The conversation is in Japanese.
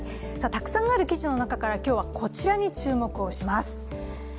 たくさんある記事の中から今日はこちらに注目します。